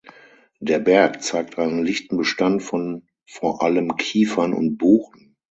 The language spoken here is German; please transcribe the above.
Der Berg zeigt einen lichten Bestand von vor allem Kiefern und Buchen.